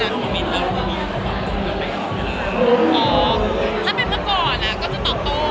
ถ้าเป็นเมื่อก่อนก็จะตอบโต้